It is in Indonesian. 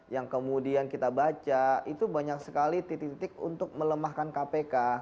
yang kemudian kita baca itu banyak sekali titik titik untuk melemahkan kpk